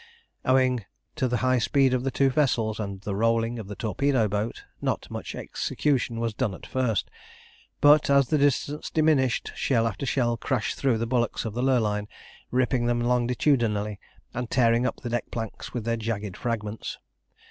Owing to the high speed of the two vessels, and the rolling of the torpedo boat, not much execution was done at first; but, as the distance diminished, shell after shell crashed through the bulwarks of the Lurline, ripping them longitudinally, and tearing up the deck planks with their jagged fragments.